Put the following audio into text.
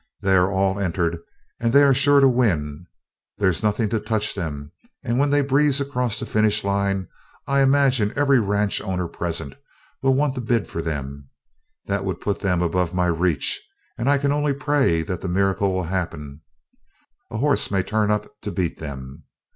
They're all entered and they are sure to win. There's nothing to touch them and when they breeze across the finish I imagine every ranch owner present will want to bid for them. That would put them above my reach and I can only pray that the miracle will happen a horse may turn up to beat them.